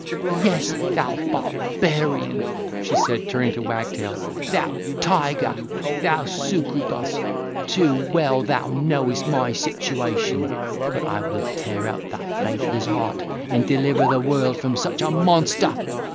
Yes, thou barbarian," said she, turning to Wagtail, "thou tiger, thou succubus! too well thou knowest my situation. But I will tear out thy faithless heart, and deliver the world from such a monster."